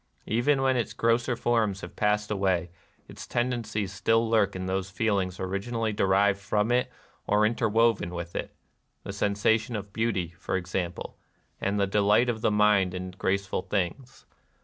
Even when its grosser forms have passed away, its tendencies still lurk in those feelings originally derived from it or inter woven with it, — the sensation of beauty, for example, and the delight of the mind in grace ful things.